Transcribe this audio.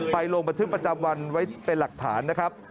ลงบันทึกประจำวันไว้เป็นหลักฐานนะครับ